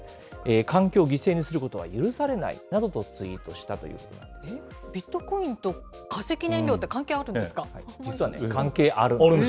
環境を犠牲にすることは許されないなどとツイートしたということビットコインと化石燃料って実は関係あるんです。